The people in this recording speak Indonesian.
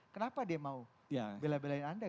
kenapa dia mau bela belain anda gitu pak